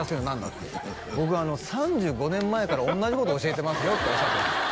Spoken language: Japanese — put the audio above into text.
って僕３５年前から同じこと教えてますよっておっしゃってました